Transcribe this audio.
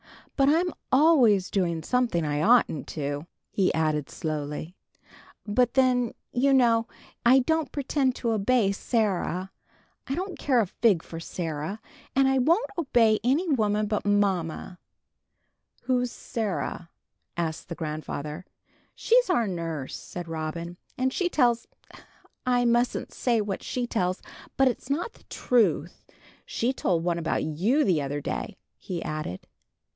But I'm always doing something I oughtn't to," he added, slowly. "But then, you know, I don't pretend to obey Sarah. I don't care a fig for Sarah; and I won't obey any woman but mamma." "Who's Sarah?" asked the grandfather. "She's our nurse," said Robin, "and she tells I mustn't say what she tells but it's not the truth. She told one about you the other day," he added.